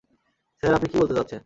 Sir, আপনি কী বলতে চাচ্ছেন?